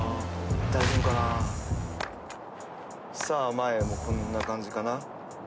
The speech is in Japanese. さあ前こんな感じかな。